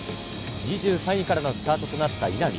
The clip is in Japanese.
２３位からのスタートとなった稲見。